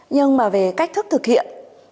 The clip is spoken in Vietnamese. nhưng mà về cách thức thực hiện